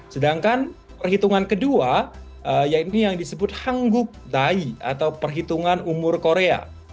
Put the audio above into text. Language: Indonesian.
sedangkan perhitungan kedua yaitu yang disebut hangguk day atau perhitungan umur korea